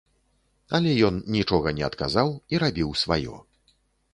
Але ён нічога не адказаў і рабіў сваё.